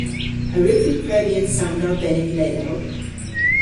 A wrug vy previ an sand arbennik leel?